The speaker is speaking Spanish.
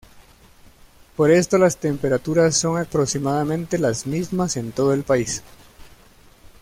Por esto las temperaturas son aproximadamente las mismas en todo el país.